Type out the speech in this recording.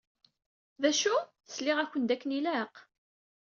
D acu? Sliɣ-aken-d akken ilaq?